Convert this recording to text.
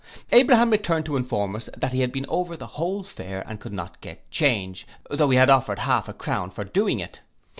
Abraham returned to inform us, that he had been over the whole fair and could not get change, tho' he had offered half a crown for doing it.